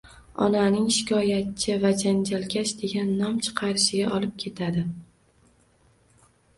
Onaning shikoyatchi va janjalkash degan nom chiqarishiga olib ketadi.